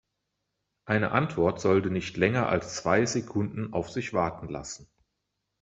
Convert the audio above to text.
Eine Antwort sollte nicht länger als zwei Sekunden auf sich warten lassen.